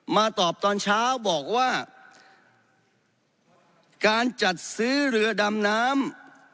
มาตอบตอนเช้าบอกว่าการจัดซื้อเรือดำน้ำ